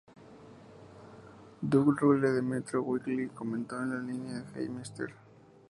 Doug Rule, de "Metro Weekly", comentó que en la línea "Hey Mr.